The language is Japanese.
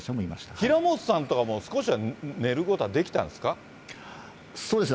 平本さんとかも少しは寝ることはできたんですか？